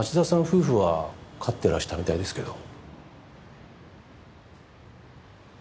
夫婦は飼っていらしたみたいですけど。